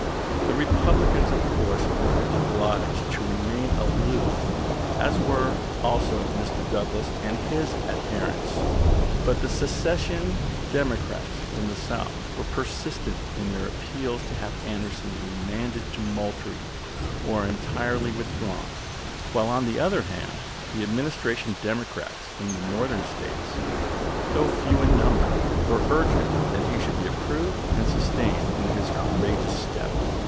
The Republicans, of course, were obliged to remain aloof, as were also Mr. Douglas and his adherents ; but the secession Democrats from the South were persistent in their appeals to have Anderson re manded to Moultrie, or entirely withdrawn ; while on the other hand the Administration Democrats from the Northern States, though few in number, were urgent that he should be approved and sus tained in his courageous step.